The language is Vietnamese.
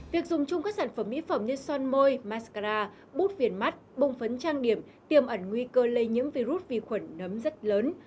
việc dùng chung các sản phẩm mỹ phẩm như son môi maskara bút viền mắt bộng phấn trang điểm tiêm ẩn nguy cơ lây nhiễm virus vi khuẩn nấm rất lớn